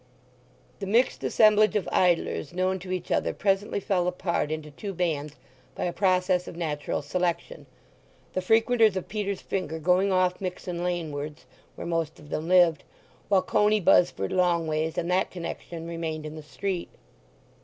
The mixed assemblage of idlers known to each other presently fell apart into two bands by a process of natural selection, the frequenters of Peter's Finger going off Mixen Lanewards, where most of them lived, while Coney, Buzzford, Longways, and that connection remained in the street.